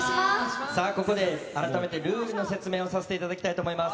ここで改めてルールの説明をさせていただきたいと思います。